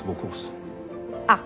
あっ。